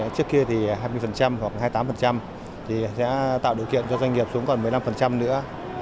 trước kia thì hai mươi hoặc hai mươi tám thì sẽ tạo điều kiện cho doanh nghiệp xuống còn một mươi năm nữa